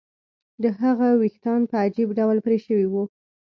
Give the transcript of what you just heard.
د هغه ویښتان په عجیب ډول پرې شوي وو